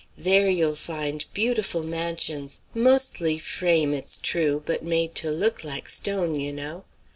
There you'll find beautiful mansions, mostly frame, it's true, but made to look like stone, you know.